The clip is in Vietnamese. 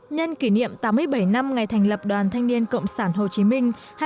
nhân kỷ niệm tám mươi bảy năm ngày thành lập đoàn thanh niên cộng sản hồ chí minh